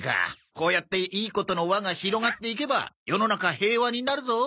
こうやっていいことの輪が広がっていけば世の中平和になるぞ。